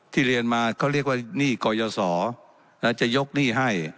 ที่เรียนมาเขาเรียกว่าหนี้ก่อยสอแล้วจะยกหนี้ให้